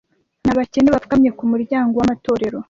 n'abakene bapfukamye ku muryango w'amatorero